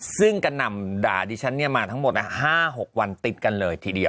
ซึ่งกระหน่ำด่าดิฉันมาทั้งหมด๕๖วันติดกันเลยทีเดียว